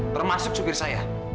termasuk supir saya